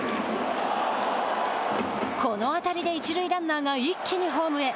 この当たりで一塁ランナーが一気にホームへ。